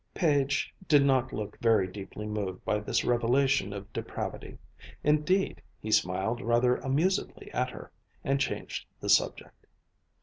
Page did not look very deeply moved by this revelation of depravity. Indeed, he smiled rather amusedly at her, and changed the subject.